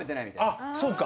あっそうか。